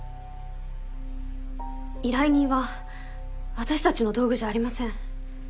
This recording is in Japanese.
依頼人は私たちの道具じゃありません。